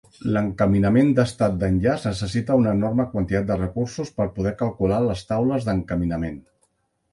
L'encaminament d'estat d'enllaç necessita una enorme quantitat de recursos per poder calcular les taules d'encaminament.